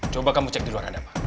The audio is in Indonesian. coba kamu cek di luar ada apa